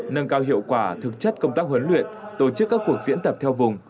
nâng cao hiệu quả thực chất công tác huấn luyện tổ chức các cuộc diễn tập theo vùng